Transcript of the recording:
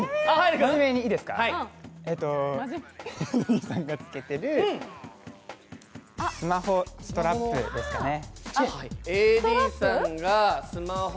えーと、ＡＤさんがつけてるスマホストラップですかね。